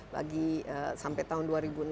bagi sampai tahun dua ribu enam belas